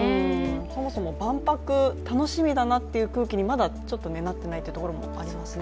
そもそも万博、楽しみだなという空気にまだちょっとなっていないというところもありますよね。